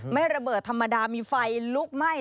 ระเบิดธรรมดามีไฟลุกไหม้